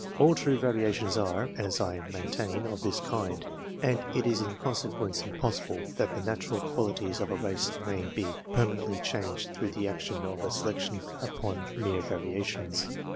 All true variations are (as I maintain) of this kind, and it is in consequence impossible that the natural qualities of a race may be permanently changed through the action of selection upon mere variations.